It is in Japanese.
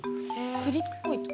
くりっぽいとか？